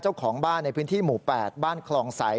เจ้าของบ้านในพื้นที่หมู่๘บ้านคลองใส